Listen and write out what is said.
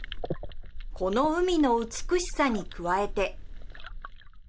この海の美しさに加えて。